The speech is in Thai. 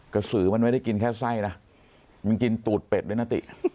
สือมันไม่ได้กินแค่ไส้นะมันกินตูดเป็ดด้วยนะติ